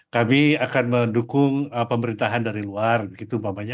kami akan mendukung pemerintahan dari luar gitu umpamanya